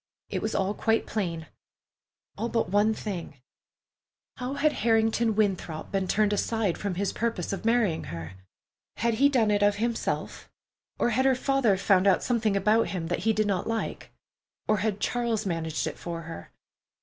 It was all quite plain—all but one thing: how had Harrington Winthrop been turned aside from his purpose of marrying her? Had he done it of himself, or had her father found out something about him that he did not like, or had Charles managed it for her?